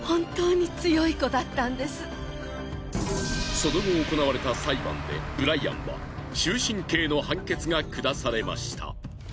その後行われた裁判でブライアンは終身刑の判決が下されました。